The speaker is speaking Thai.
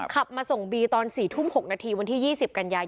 ขับมาส่งบีตอน๔ทุ่ม๖นาทีวันที่๒๐กันยาย